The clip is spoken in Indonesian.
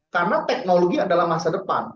karena teknologi adalah masa depan